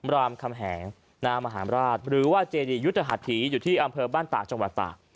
รามคำแหงมหารราชหรือว่าเจดียุทธหัสถีอยู่ที่อำเภอบ้านตากจังหวัดตาก